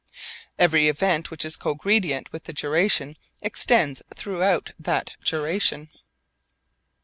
Every event which is cogredient with a duration extends throughout that duration.